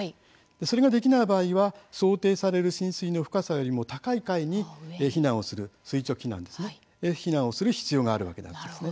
それができない場合は想定される浸水の深さよりも高い階に避難をする垂直避難をする必要があるわけなんです。